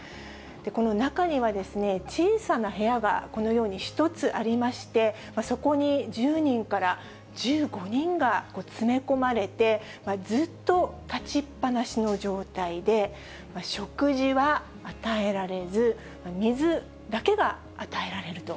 この中には、小さな部屋がこのように１つありまして、そこに１０人から１５人が詰め込まれて、ずっと立ちっぱなしの状態で、食事は与えられず、水だけが与えられると。